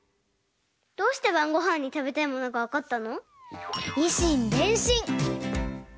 どうしてばんごはんにたべたいものがわかったの？